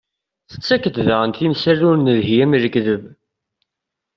Tettak-d daɣen timsal ur nelhi am lekteb.